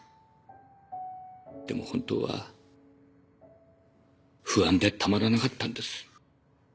でも本当は不安でたまらなかったんです。